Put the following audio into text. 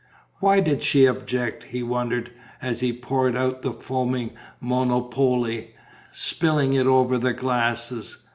"Why did she object?" he wondered, as he poured out the foaming Monopole, spilling it over the glasses.